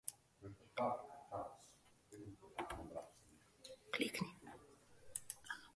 E-pošta mu je na voljo trikrat na dan.